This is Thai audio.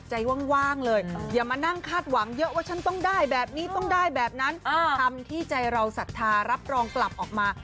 ให้ได้ปางเงินทองไหลมาเทมาขนาดนี้